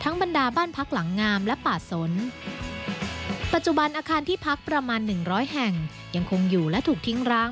ทางบรรดาบ้านพักหลังงามและป่าศน